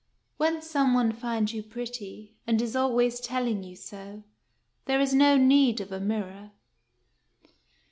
When some one finds you pretty, and is always telling you so, there is no need of a mirror.